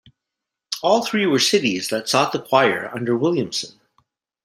All three were cities that sought the choir under Williamson.